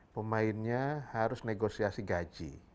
pemainnya harus negosiasi gaji